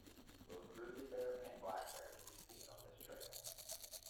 Both Grizzly Bear and Black Bear can be seen on this trail.